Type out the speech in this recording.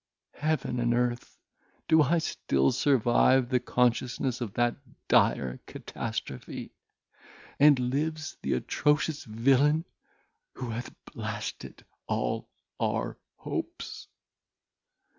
Heaven and earth! do I still survive the consciousness of that dire catastrophe! and lives the atrocious villain who hath blasted all our hopes!"